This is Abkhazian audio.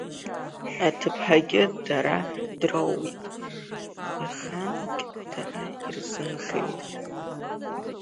Аҭыԥҳагьы дара дроуит, ахангьы дара ирзынхеит.